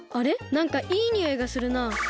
なんかいいにおいがするな。